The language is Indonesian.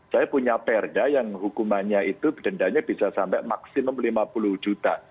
saya punya perda yang hukumannya itu dendanya bisa sampai maksimum lima puluh juta